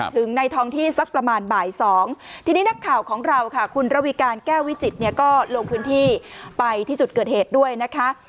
ถึงในท้องที่สักประมาณบ่ายสองทีนี้นักข่าวของเราค่ะคุณระวีการแก้ววิจิตเนี่ยก็ลงพื้นที่ไปที่จุดเกิดเหตุด้วยนะคะ